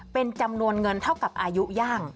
เป็นจำนวนเงินเท่ากับอายุย่าง